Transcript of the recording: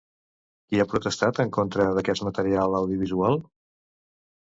Qui ha protestat en contra d'aquest material audiovisual?